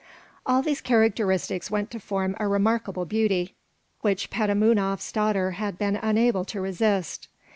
All these characteristics went to form a remarkable beauty, which Petamounoph's daughter had been unable to resist.